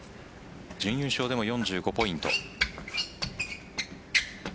準優勝でも４５ポイント。